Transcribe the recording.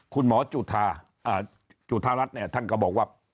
คุณหมอจุธาจุธารัฐเนี่ยท่านก็บอกว่า